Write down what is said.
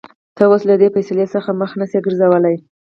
ته اوس له دې فېصلې څخه مخ نشې ګرځولى.